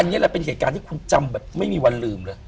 อันนี้แหละเป็นเหตุการณ์ที่คุณจำแบบไม่มีวันลืมเลย